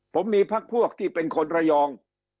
ผมมีพักพวกที่เป็นคนระยอง